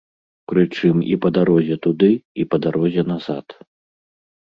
Прычым і па дарозе туды, і па дарозе назад.